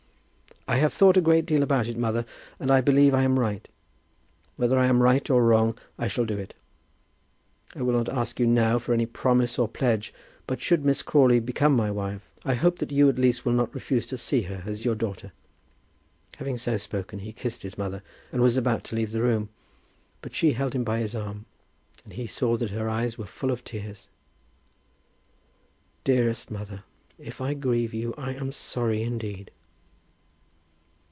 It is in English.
"I have thought a great deal about it, mother, and I believe I am right. Whether I am right or wrong, I shall do it. I will not ask you now for any promise or pledge; but should Miss Crawley become my wife, I hope that you at least will not refuse to see her as your daughter." Having so spoken, he kissed his mother, and was about to leave the room; but she held him by his arm, and he saw that her eyes were full of tears. "Dearest mother, if I grieve you I am sorry indeed."